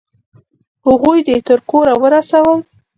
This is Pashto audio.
هغوی دې تر کوره ورسول؟